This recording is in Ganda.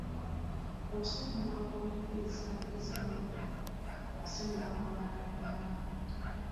Okusonyiwa okugeza Zinunula asonyiwa abaana b’omwami.